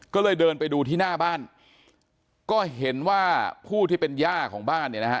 ก็เลยเดินไปดูที่หน้าบ้านก็เห็นว่าผู้ที่เป็นย่าของบ้านเนี่ยนะฮะ